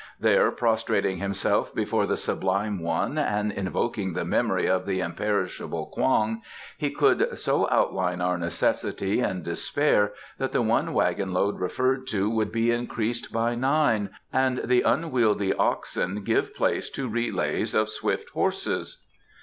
There prostrating himself before the Sublime One and invoking the memory of the imperishable Kwong he could so outline our necessity and despair that the one wagon load referred to would be increased by nine and the unwieldy oxen give place to relays of swift horses."